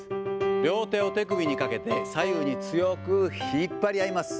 両手を手首にかけて左右に強く引っ張り合います。